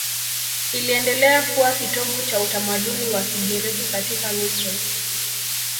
Iliendelea kuwa kitovu cha utamaduni wa Kigiriki katika Misri.